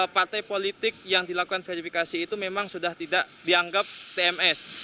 partai politik yang dilakukan verifikasi itu memang sudah tidak dianggap tms